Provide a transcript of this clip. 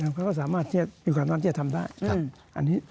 แต่เขาก็สามารถอยู่ข้างตะแถมทำได้